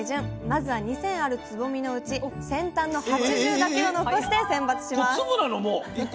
まずは２，０００あるつぼみのうち先端の８０だけを残して選抜しますえ！？